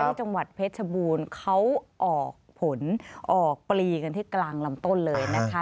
ที่จังหวัดเพชรบูรก็ออกผิวกำลังลำต้นเลยนะคะ